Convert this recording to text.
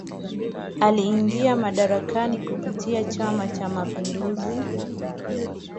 Aliingia madarakani kupitia chama Cha Mapinduzi